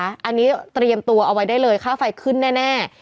อันนี้เตรียมตัวเอาไว้ได้เลยค่าไฟขึ้นแน่